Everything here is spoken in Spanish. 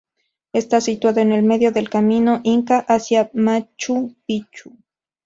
Está situado en medio del camino inca hacia Machu Picchu.